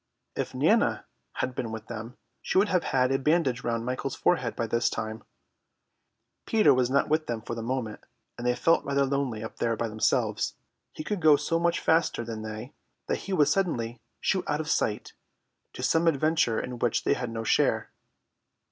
If Nana had been with them, she would have had a bandage round Michael's forehead by this time. Peter was not with them for the moment, and they felt rather lonely up there by themselves. He could go so much faster than they that he would suddenly shoot out of sight, to have some adventure in which they had no share.